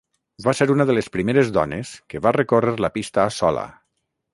Va ser una de les primeres dones que va recórrer la pista sola.